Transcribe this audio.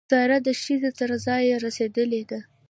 سارا د ښځې تر ځایه رسېدلې ده.